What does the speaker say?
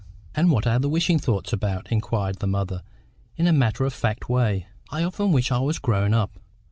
"And what are the wishing thoughts about?" inquired the mother, in a matter of fact way. "I often wish I was grown up.